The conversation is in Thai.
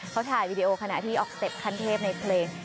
เขาถ่ายวีดีโอขณะที่ออกสเต็ปขั้นเทพในเพลง